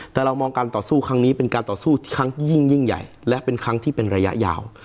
แต่เรามองการต่อสู้ครั้งนี้เป็นการต่อสู้ที่ครั้งยิ่งใหญ่และเป็นครั้งที่เป็นระยะยาว